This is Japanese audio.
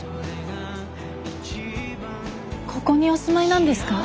ここにお住まいなんですか？